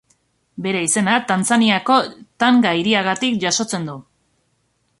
Bere izena Tanzaniako Tanga hiriagatik jasotzen du.